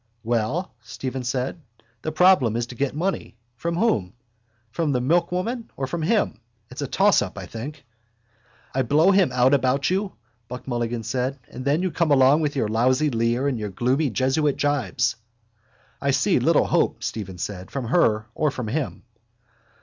—Well? Stephen said. The problem is to get money. From whom? From the milkwoman or from him. It's a toss up, I think. —I blow him out about you, Buck Mulligan said, and then you come along with your lousy leer and your gloomy jesuit jibes. —I see little hope, Stephen said, from her or from him.